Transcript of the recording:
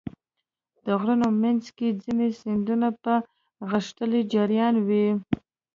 د غرونو منځ کې ځینې سیندونه په غښتلي جریان وي.